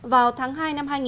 vào tháng hai này